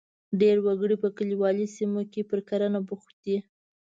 ډېری وګړي په کلیوالي سیمو کې پر کرنه بوخت دي.